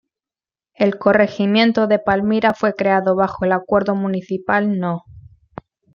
El corregimiento de Palmira fue creado bajo el acuerdo municipal No.